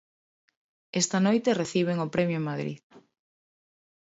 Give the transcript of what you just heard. Esta noite reciben o premio en Madrid.